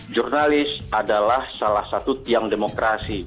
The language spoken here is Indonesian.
jurnalis adalah salah satu tiang demokrasi